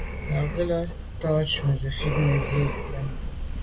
Mbàzīlā rə̌ tà' jú zə̄ fít nə̀ zí'’ə́ lɛ̂n.